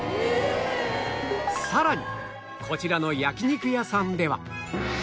さらにこちらの焼き肉屋さんでは